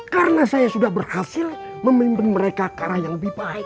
karena saya sudah berhasil memimpin mereka karah yang lebih baik